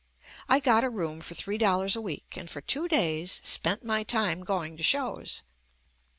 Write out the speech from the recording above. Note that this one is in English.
I got a room for three dollars a week and for two days spent my time going to shows.